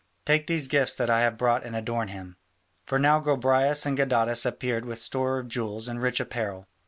Take these gifts that I have brought and adorn him." For now Gobryas and Gadatas appeared with store of jewels and rich apparel.